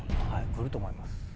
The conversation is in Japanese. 来ると思います。